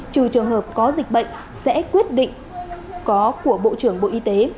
trừ trường hợp có dịch bệnh sẽ quyết định có của bộ trưởng bộ y tế